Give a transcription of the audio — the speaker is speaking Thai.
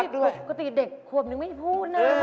อาจารย์ปกติเด็กขวบหนึ่งไม่พูดนะ